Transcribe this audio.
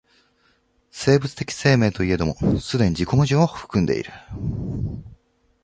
生物的生命といえども既に自己矛盾を含んでいる。